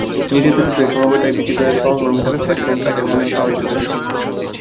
নির্যাতিতদের সম-ব্যথায় ব্যথিত হয়ে সহমর্মিতা প্রকাশ এবং তাঁদের মনে সাহস জোগাতে এসেছি।